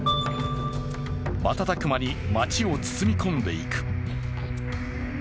瞬く間に街を包み込んでいく。